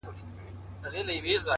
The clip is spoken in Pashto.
لوړ فکر محدودیتونه کمزوري کوي؛